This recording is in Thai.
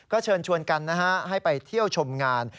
เชิญชวนกันนะฮะให้ไปเที่ยวชมงาน